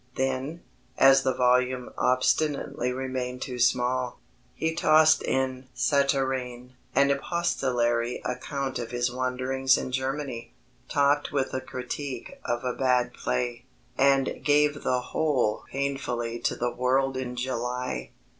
"Then, as the volume obstinately remained too small, he tossed in Satyrane, an epistolary account of his wanderings in Germany, topped up with a critique of a bad play, and gave the whole painfully to the world in July, 1817."